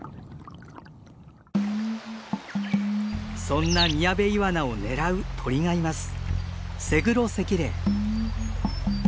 そんなミヤベイワナを狙う鳥がいます。